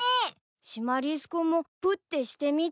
シマリス君もプッてしてみたら？